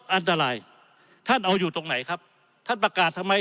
อันตรายท่านเอาอยู่ตรงไหนครับท่านประกาศทำไม